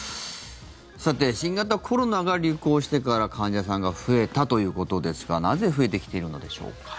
新型コロナが流行してから患者さんが増えたということですがなぜ増えてきているのでしょうか。